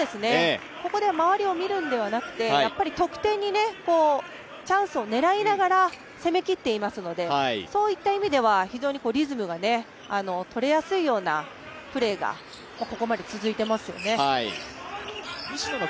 ここで周りを見るんではなくて、得点に、チャンスを狙いながら、攻めきっていますのでそういった意味では非常にリズムが取れやすいようなプレーがここまで続いてますよね。